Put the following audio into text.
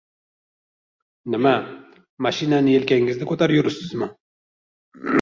— Nima, mashinani yelkangizda ko‘tarib yuribsizmi?